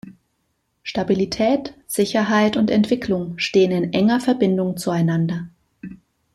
Stabilität, Sicherheit und Entwicklung stehen in enger Verbindung zueinander.